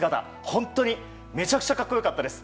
本当にめちゃくちゃ格好良かったです。